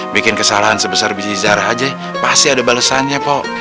bikin kesalahan sebesar biji zara aja pasti ada balesannya kok